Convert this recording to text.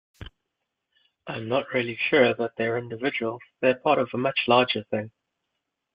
I'm not really sure that they're individuals: they're part of a much larger thing.